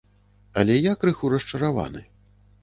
Але я крыху расчараваны.